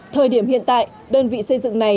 thời điểm hiện tại đơn vị xây dựng này